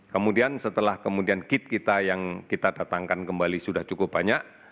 kemudian setelah kemudian kit kita yang kita datangkan kembali sudah cukup banyak